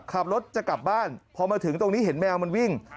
ขับรถจะกลับบ้านพอมาถึงตรงนี้เห็นแมวมันวิ่ง